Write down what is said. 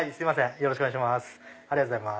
よろしくお願いします。